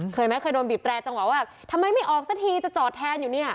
เคยไหมเคยโดนบีบแตรจังหวะว่าทำไมไม่ออกสักทีจะจอดแทนอยู่เนี่ย